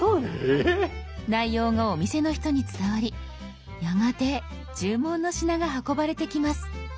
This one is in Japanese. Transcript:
内容がお店の人に伝わりやがて注文の品が運ばれてきます。